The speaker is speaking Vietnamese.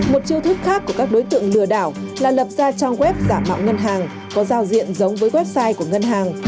một chiêu thức khác của các đối tượng lừa đảo là lập ra trang web giả mạo ngân hàng có giao diện giống với website của ngân hàng